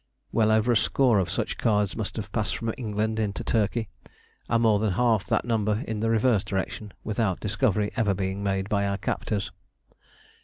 Well over a score of such cards must have passed from England into Turkey, and more than half that number in the reverse direction, without discovery ever being made by our captors.